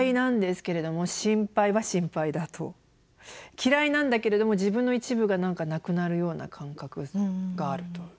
嫌いなんだけれども自分の一部が何かなくなるような感覚があると。